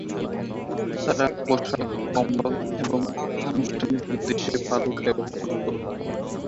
তারা পোশাক, কম্বল এবং আনুষ্ঠানিক উদ্দেশ্যে পালক ব্যবহার করত।